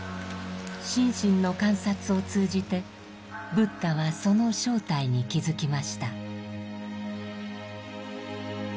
心身の観察を通じてブッダはその正体に気づきました。